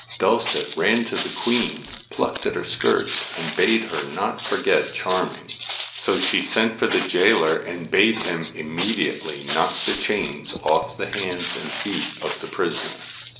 Dulcet ran to the queen, plucked at her skirts, and bade her not forget Charming. So she sent for the gaoler and bade him immediately knock the chains off the hands and feet of the prisoner.